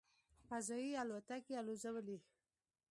"فضايي الوتکې" الوځولې.